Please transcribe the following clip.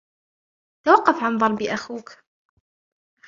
توقف عن ضرب أخوك.